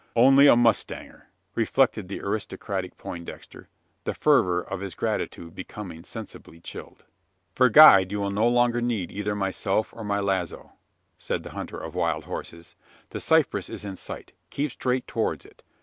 "Only a mustanger!" reflected the aristocratic Poindexter, the fervour of his gratitude becoming sensibly chilled. "For guide, you will no longer need either myself, or my lazo," said the hunter of wild horses. "The cypress is in sight: keep straight towards it.